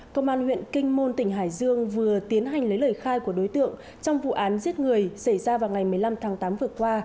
công an huyện kinh môn tỉnh hải dương vừa tiến hành lấy lời khai của đối tượng trong vụ án giết người xảy ra vào ngày một mươi năm tháng tám vừa qua